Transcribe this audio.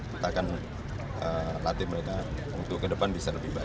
kita akan latih mereka untuk ke depan bisa lebih baik